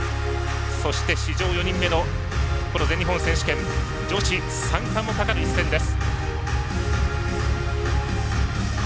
そして、史上４人目のこの全日本選手権女子三冠もかかる一戦です。